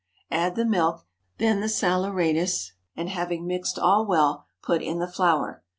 Add the milk, then the saleratus, and having mixed all well, put in the flour.